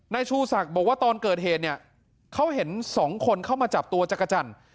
ชูศักดิ์บอกว่าตอนเกิดเหตุเนี่ยเขาเห็นสองคนเข้ามาจับตัวจักรจันทร์